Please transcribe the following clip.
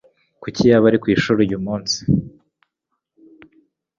Kuki yaba ari kwishuri uyu munsi?